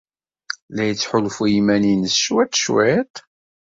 La yettḥulfu i yiman-nnes ccwi cwiṭ?